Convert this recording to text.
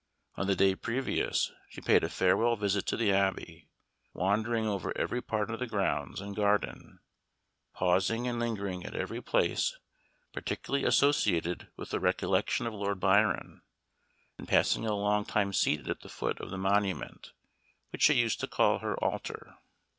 On the day previous, she paid a farewell visit to the Abbey; wandering over every part of the grounds and garden; pausing and lingering at every place particularly associated with the recollection of Lord Byron; and passing a long time seated at the foot of the monument, which she used to call "her altar."